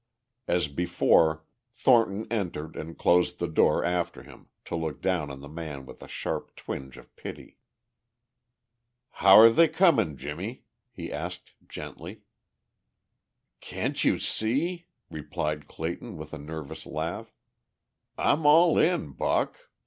As before Thornton entered and closed the door after him to look down on the man with a sharp twinge of pity. "How're they coming, Jimmie?" he asked gently. "Can't you see?" replied Clayton with a nervous laugh. "I'm all in, Buck.